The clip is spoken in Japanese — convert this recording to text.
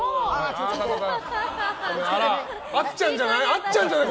あっちゃんじゃない？